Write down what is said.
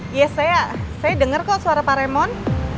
iya saya saya denger kok suara pak remon